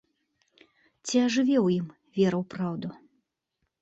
Ці ажыве ў ім вера ў праўду?